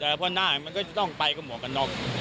แต่พอหน้ามันก็จะต้องไปกับหมวกกันน็อก